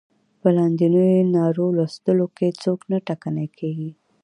په لاندنیو نارو لوستلو کې څوک نه ټکنی کیږي.